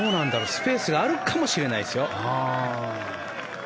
スペースがあるかもしれないですよ。